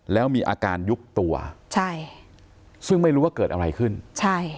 แล้วมีอาการยุบตัวใช่ซึ่งไม่รู้ว่าเกิดอะไรขึ้นใช่